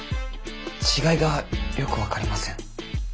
違いがよく分かりません。